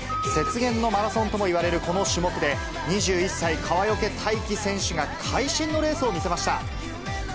雪原のマラソンともいわれるこの種目で、２１歳、川除大輝選手が会心のレースを見せました。